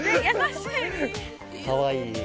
かわいい。